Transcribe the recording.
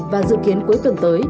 và dự kiến cuối tuần tới